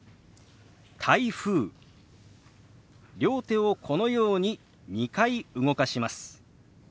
両手をこのように２回動かします。